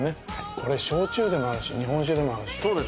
これ焼酎でも合うし日本酒でも合うし。